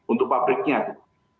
untuk pabriknya gitu